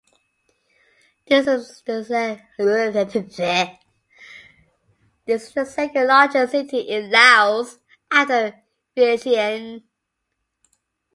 This is the second-largest city in Laos, after Vientiane.